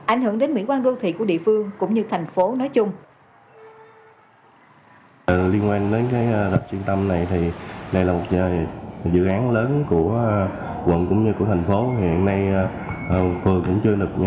ảnh hưởng đến mỹ quan đô thị của địa phương cũng như thành phố nói chung